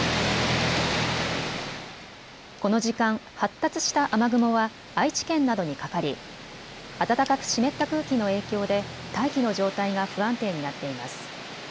この時間、発達した雨雲は愛知県などにかかり暖かく湿った空気の影響で大気の状態が不安定になっています。